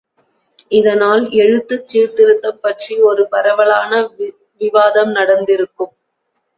இதனால் எழுத்துச் சீர்திருத்தம் பற்றி ஒரு பரவலான விவாதம் நடந்திருக்கும்.